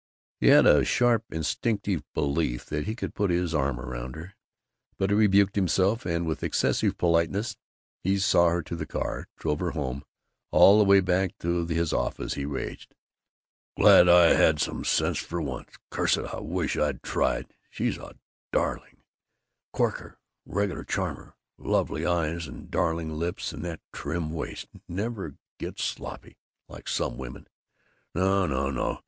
He had a sharp instinctive belief that he could put his arm around her, but he rebuked himself and with excessive politeness he saw her to the car, drove her home. All the way back to his office he raged: "Glad I had some sense for once.... Curse it, I wish I'd tried. She's a darling! A corker! A reg'lar charmer! Lovely eyes and darling lips and that trim waist never get sloppy, like some women.... No, no, no!